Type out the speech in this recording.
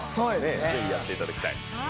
是非やっていただきたい。